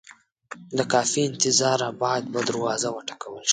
د کافي انتظاره بعد بیا دروازه وټکول شوه.